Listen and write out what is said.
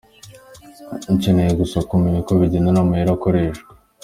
"Ukeneye gusa kumenya uko bigenda n'amayeri akoreshwa.